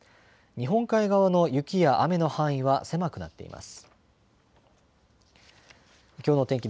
日本海側の雪や雨の範囲は狭くなっています。